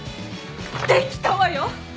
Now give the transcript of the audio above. できたわよ！